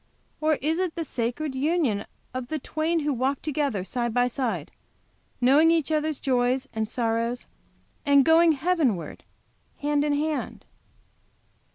or is it the sacred union of the twain who 'walk together side by side, knowing each other's joys and sorrows, and going Heavenward hand in hand?